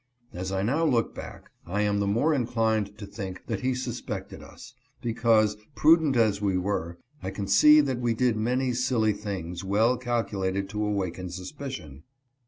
As I now look back, I am the more inclined to think that he suspected us, because, prudent as we were, I can see that we did many silly things well cal culated to awaken suspicion.